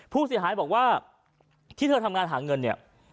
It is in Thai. ผู้เสียหายบอกว่าที่เธอทำงานหาเงินเนี่ย